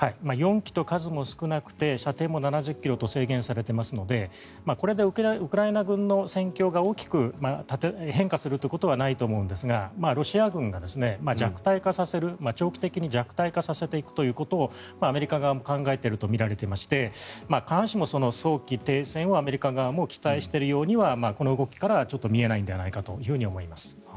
４基と数も少なくて射程も７０ｋｍと制限されていますのでこれでウクライナ軍の戦況が大きく変化するということはないと思うんですがロシア軍が弱体化させる長期的に弱体化させていくということをアメリカ側も考えているとみられていまして必ずしも早期停戦をアメリカ側も期待しているようにはこの動きからはちょっと見えないのではないかと思います。